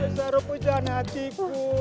maisaroh pujana cikgu